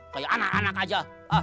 kayak anak anak aja